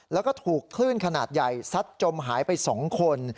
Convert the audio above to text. แล้วก็ถูกคลื่นขนาดใหญ่ซัดจมหายไป๒คน